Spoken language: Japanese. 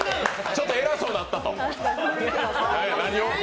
ちょっと偉そうになったと。